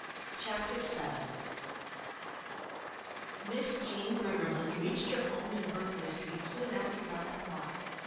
Chapter VII Miss Jean Briggerland reached her home in Berkeley Street soon after nine o'clock.